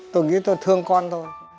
tôi nghĩ tôi thương con thôi